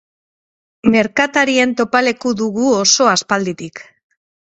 Merkatarien topaleku dugu oso aspalditik.